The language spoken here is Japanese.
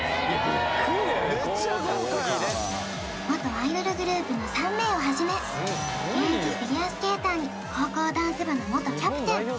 めっちゃ豪華やん元アイドルグループの３名をはじめ現役フィギュアスケーターに高校ダンス部の元キャプテン